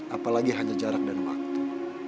apalagi hanya jarak dan waktu